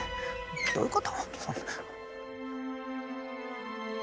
どういうこと？